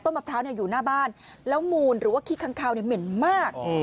มะพร้าวอยู่หน้าบ้านแล้วมูลหรือว่าขี้ค้างคาวเนี่ยเหม็นมาก